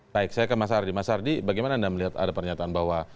baik saya ke mas ardi mas ardi bagaimana anda melihat ada pernyataan bahwa